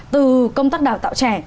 từ công tác đào tạo trẻ